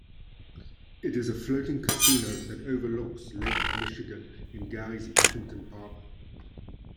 It is a floating casino that overlooks Lake Michigan in Gary's Buffington Harbor.